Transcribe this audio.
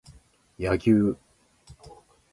柳生